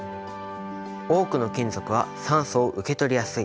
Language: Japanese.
多くの金属は酸素を受け取りやすい。